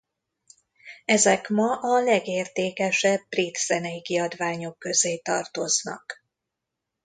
Ezek ma a legértékesebb brit zenei kiadványok közé tartoznak.